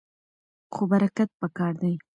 خو حرکت پکار دی.